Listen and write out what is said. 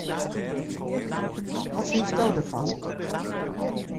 Wat fynsto derfan?